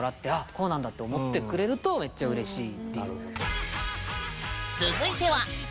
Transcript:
こうなんだって思ってくれるとめっちゃうれしいっていう。